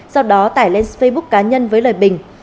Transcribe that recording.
sau đó tải lên facebook cá nhân với lời bình